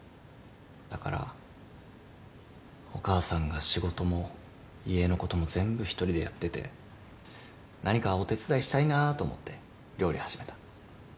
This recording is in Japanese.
だからお母さんが仕事も家のことも全部一人でやってて何かお手伝いしたいなと思って料理始めた。